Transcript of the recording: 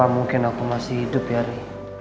mungkin aku masih hidup ya ri